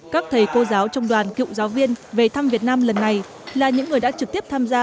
các thầy cô giáo trong đoàn cựu giáo viên về thăm việt nam lần này là những người đã trực tiếp tham gia